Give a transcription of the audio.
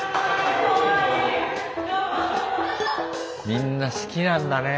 みんな好きなんだね。